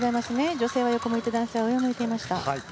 女性は横向いて男性は上を向いていました。